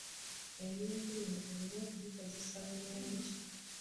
Ebintu bino olina okubikozesa obulungi.